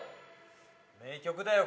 名曲だよ。